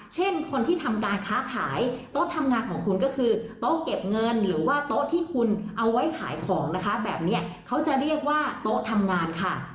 เช่นคนที่ทำการค้าขายโต๊ะทำงานของคุณก็คือโต๊ะเก็บเงินหรือว่าโต๊ะที่คุณเอาไว้ขายของนะคะแบบนี้เขาจะเรียกว่าโต๊ะทำงานค่ะ